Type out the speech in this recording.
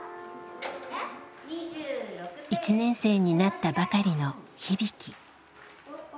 １年生になったばかりの日々貴。